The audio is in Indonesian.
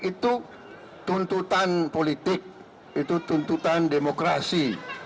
itu tuntutan politik itu tuntutan demokrasi